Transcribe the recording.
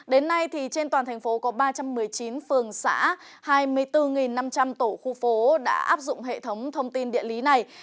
đến nay trên toàn thành phố có ba trăm một mươi chín phường xã hai mươi bốn năm trăm linh tổ khu phố đã áp dụng hệ thống thông tin địa lý này